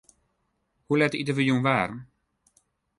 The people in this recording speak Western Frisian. Hoe let ite wy jûn waarm?